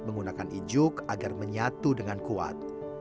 menggunakan ijuk agar menyatu dengan kuat